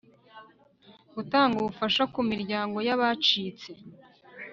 gutanga ubufasha ku miryango y abacitse